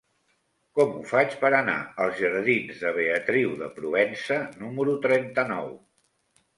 Com ho faig per anar als jardins de Beatriu de Provença número trenta-nou?